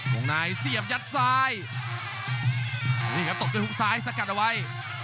ล็อคนายเสี่ยมยัดซ้ายตกด้วยหุ้งซ้ายสกัดเอาไว้